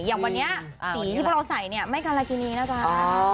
อย่างวันนี้สีที่พวกเราใส่เนี่ยไม่การากินีนะจ๊ะ